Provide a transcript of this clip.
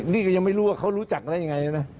นี่ก็ยังไม่รู้ว่าเขารู้จักได้ยังไงนะ